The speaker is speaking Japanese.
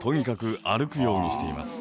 ようにしています。